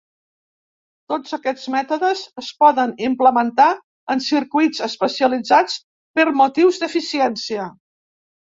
Tots aquests mètodes es poden implementar en circuits especialitzats per motius d'eficiència.